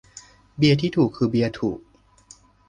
"เบียร์ที่ถูกคือเบียร์ถูก"